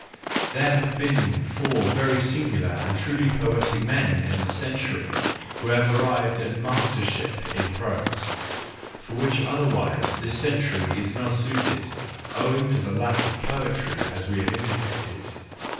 —There have been four very singular and truly poetical men in this century who have arrived at mastership in prose, for which other¬ wise this century is not suited, owing to lack of poetry, as we have indicated.